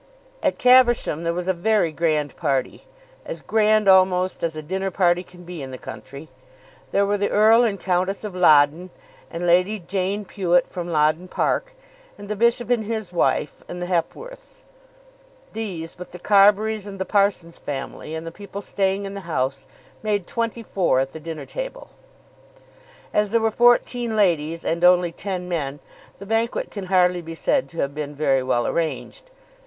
At Caversham there was a very grand party, as grand almost as a dinner party can be in the country. There were the Earl and Countess of Loddon and Lady Jane Pewet from Loddon Park, and the bishop and his wife, and the Hepworths. These, with the Carburys and the parson's family, and the people staying in the house, made twenty four at the dinner table. As there were fourteen ladies and only ten men, the banquet can hardly be said to have been very well arranged.